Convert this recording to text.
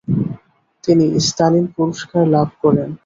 তিনি স্তালিন পুরস্কার লাভ করেন।